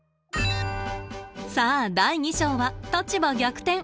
さあ第二章は立場逆転。